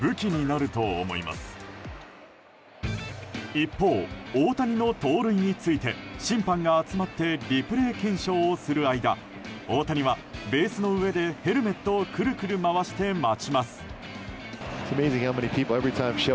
一方、大谷の盗塁について審判が集まってリプレー検証をする間大谷はベースの上でヘルメットをくるくる回して待ちます。